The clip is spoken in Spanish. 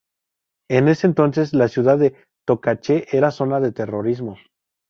En ese entonces la ciudad de Tocache era zona de terrorismo.